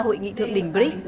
hội nghị thượng đỉnh brics